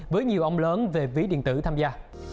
với nhiều ông lớn về ví điện tử tham gia